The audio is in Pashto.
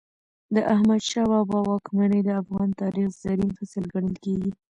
د احمد شاه بابا واکمني د افغان تاریخ زرین فصل ګڼل کېږي.